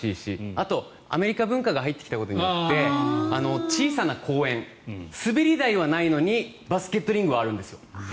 あとアメリカ文化が入ってきたことで小さな公園、滑り台はないのにバスケットリングはあるんです。